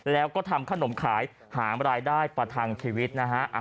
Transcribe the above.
แล้วก็ทำขนมขายหารายได้ประทังชีวิตนะฮะ